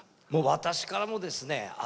私からもですね